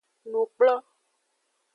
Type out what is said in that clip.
Nukplo.